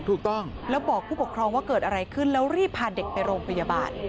ถูกต้องแล้วบอกผู้ปกครองว่าเกิดอะไรขึ้นแล้วรีบพาเด็กไปโรงพยาบาล